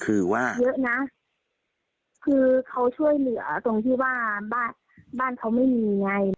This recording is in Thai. คือว่าเยอะนะคือเขาช่วยเหลือตรงที่ว่าบ้านบ้านเขาไม่มีไง